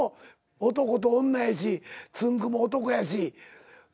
男と女やしつんく♂も男やし。